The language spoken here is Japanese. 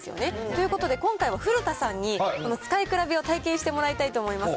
ということで今回は、古田さんに、使い比べを体験してもらいたいと思います。